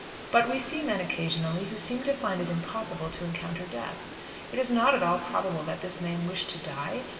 But we see men occasionally who seem to find it impossible to encounter death. It is not at all probable that this man wished to die.